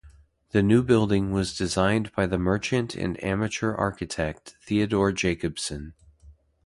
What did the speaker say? The new building was designed by the merchant and amateur architect Theodore Jacobsen.